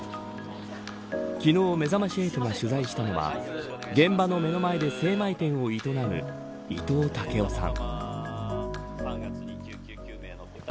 昨日、めざまし８が取材したのは現場の目の前で精米店を営む伊藤武夫さん。